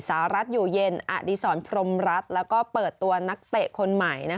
สหรัฐอยู่เย็นอดีศรพรมรัฐแล้วก็เปิดตัวนักเตะคนใหม่